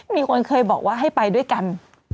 มีคนเคยบอกว่าให้ไปด้วยกัน